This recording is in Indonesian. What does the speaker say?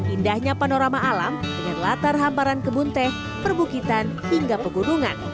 indahnya panorama alam dengan latar hamparan kebun teh perbukitan hingga pegunungan